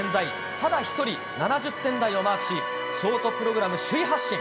ただ一人７０点台をマークし、ショートプログラム首位発進。